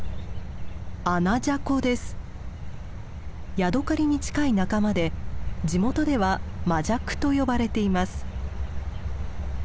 ヤドカリに近い仲間で地元ではマジャクと呼ばれています。